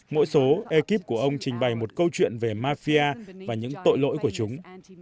mỗi số ekip của ông trình bày một câu chuyện về mafia và những tội lỗi của chúng